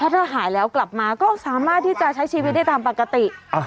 ถ้าหายแล้วกลับมาก็สามารถที่จะใช้ชีวิตได้ตามปกติ